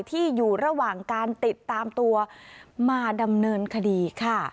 ที่อยู่ระหว่างการติดตามตัวมาดำเนินคดีค่ะ